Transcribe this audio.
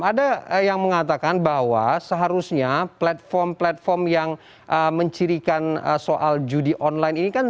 ada yang mengatakan bahwa seharusnya platform platform yang mencirikan soal judi online ini kan